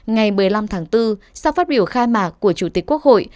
ngày một mươi năm tháng bốn sau phát biểu khai mạc của chủ tịch quốc hội